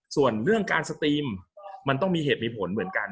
ส่วนเรื่องการสตรีมมันต้องมีเหตุมีผลเหมือนกัน